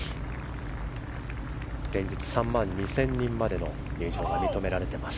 連日３万２０００人までの入場が認められています。